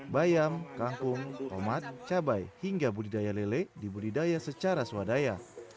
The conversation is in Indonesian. bayam kangkung tomat cabai hingga budidaya lele dibudidaya secara swadaya